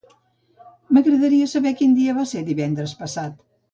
M'agradaria saber quin dia va ser divendres passat.